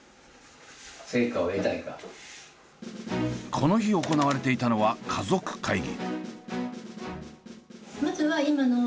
この日行われていたのは家族会議。